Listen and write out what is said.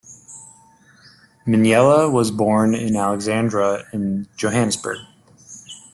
Mnyele was born in Alexandra, in Johannesburg.